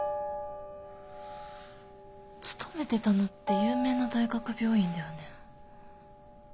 勤めてたのって有名な大学病院だよね？